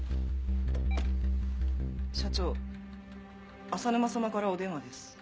社長浅沼様からお電話です。